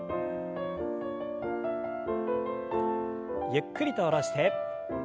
ゆっくりと下ろして。